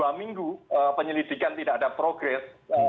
dua minggu penyelidikan tidak ada progres